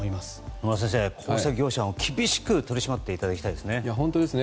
野村先生、こうした業者厳しく取り締まってほしいですね。